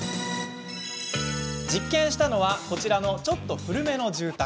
実験したのはこちらのちょっと古めの住宅。